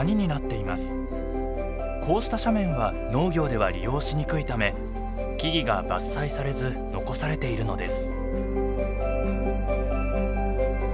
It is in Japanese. こうした斜面は農業では利用しにくいため木々が伐採されず残されているのです。